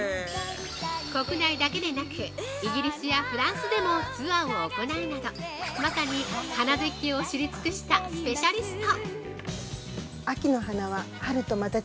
国内だけでなく、イギリスやフランスでもツアーを行うなど、まさに花絶景を知り尽くしたスペシャリスト！